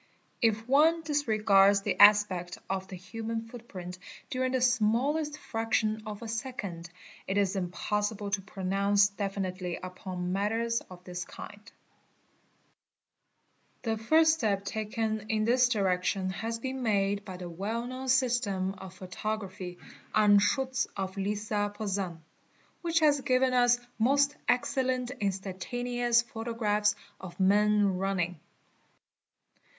If one disregards the aspect of the human footprint during the smallest fraction of a second, it is impossible to pronounce definitely upon atters of this kind. : The first step taken in this direction has been made by the well AROS AM TIE Tip) eee) a Cee tee own system of photography, Anschutz, of Lissa (Posen), which has 484 FOOTPRINTS given us most excellent instantaneous photographs of men running.